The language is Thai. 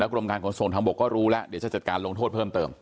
กรมการขนส่งทางบกก็รู้แล้วเดี๋ยวจะจัดการลงโทษเพิ่มเติม